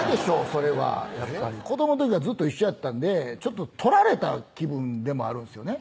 それはやっぱり子どもの時からずっと一緒やったんでちょっと取られた気分でもあるんですよね